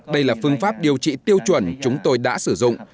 đây là phương pháp điều trị tiêu chuẩn chúng tôi đã sử dụng